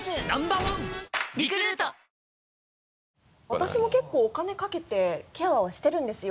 私も結構お金かけてケアはしてるんですよ。